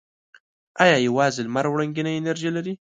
آیا یوازې لمر وړنګینه انرژي لري؟